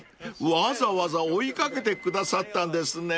わざわざ追い掛けてくださったんですね］